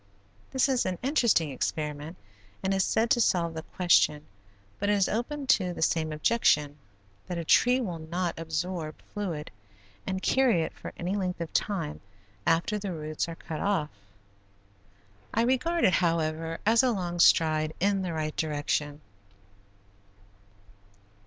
This is an interesting experiment and is said to solve the question, but it is open to the same objection, that a tree will not absorb fluid and carry it for any length of time after the roots are cut off. I regard it, however as a long stride in the right direction.